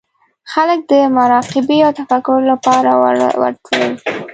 خلک به د مراقبې او تفکر لپاره ورتلل.